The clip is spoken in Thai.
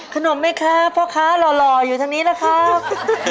ขนมไหมครับพ่อค้าหล่ออยู่ทางนี้นะครับ